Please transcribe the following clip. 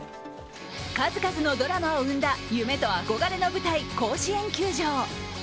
数々のドラマを生んだ夢と憧れの舞台、甲子園球場。